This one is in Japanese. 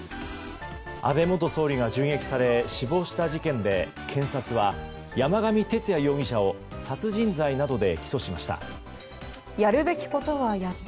安倍元総理が銃撃され死亡した事件で検察は、山上徹也容疑者を殺人罪などで起訴しました。